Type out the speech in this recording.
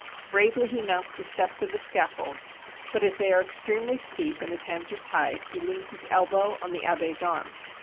Bravely he mounts the steps of the scaffold, but as they are extremely steep and his hands are tied, he leans his elbow on the abbe's arm.